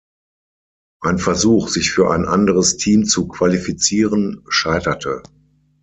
Ein Versuch, sich für ein anderes Team zu qualifizieren, scheiterte.